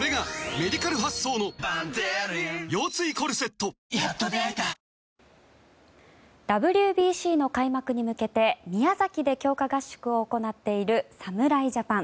東京海上日動あんしん生命ＷＢＣの開幕に向けて宮崎で強化合宿を行っている侍ジャパン。